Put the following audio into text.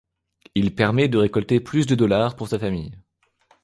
Il permet de récolter plus de $ pour sa famille.